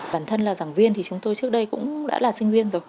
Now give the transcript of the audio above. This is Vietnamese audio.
bản thân là giảng viên thì chúng tôi trước đây cũng đã là sinh viên rồi